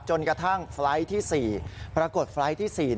จนกระทั่งไฟล์ทที่๔ปรากฏไฟล์ทที่๔